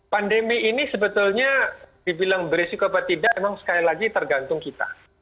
pandemi ini sebetulnya dibilang beresiko apa tidak memang sekali lagi tergantung kita